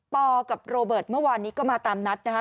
กับโรเบิร์ตเมื่อวานนี้ก็มาตามนัดนะคะ